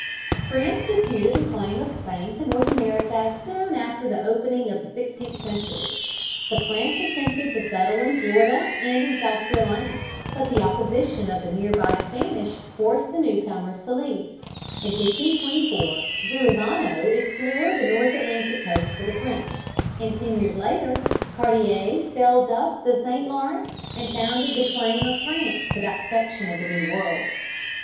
France disputed the claim of Spain to North America soon after the opening of the sixteenth century. The French attempted to settle in Florida and in South Carolina, but the opposition of the near by Spanish forced the newcomers to leave. In 1524 Verrazano explored the North Atlantic coast for the French, and ten years later Cartier sailed up the St. Lawrence and founded the claim of France to that section of the New World.